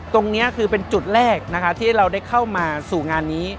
ตรงนี้คือเป็นจุดแรกนะคะที่เราได้เข้ามาสู่งานนี้